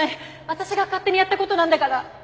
私が勝手にやった事なんだから！